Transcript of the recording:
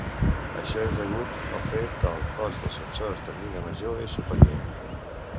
Això és degut al fet que el cost dels sensors de mida major és superior.